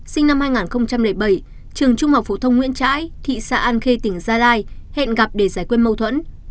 sinh năm hai nghìn bảy trường trung học phổ thông nguyễn trãi thị xã an khê tỉnh gia lai hẹn gặp để giải quyết mâu thuẫn